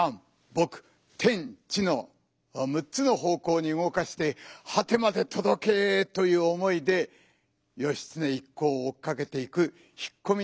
天地の６つの方こうにうごかして「果てまでとどけ」という思いで義経一行をおっかけていく引っこみの演技です。